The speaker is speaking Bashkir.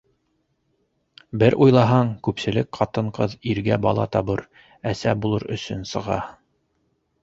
Бер уйлаһаң, күпселек ҡатын-ҡыҙ иргә бала табыр, әсә булыр өсөн сыға.